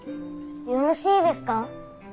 よろしいですか。